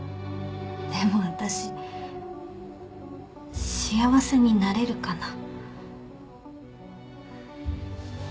でもあたし幸せになれるかな